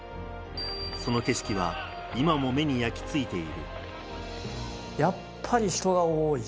その景色は今も目に焼きついている。